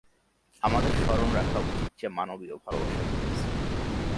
আমাদের স্মরণ রাখা উচিত যে, মানবীয় ভালবাসা গুণ-মিশ্রিত।